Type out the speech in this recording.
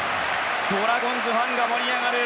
ドラゴンズファンが盛り上がる！